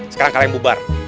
sekarang kalian bubar